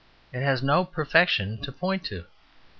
It has no perfection to point to.